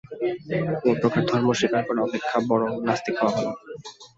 ঐ প্রকার ধর্ম স্বীকার করা অপেক্ষা বরং নাস্তিক হওয়া ভাল।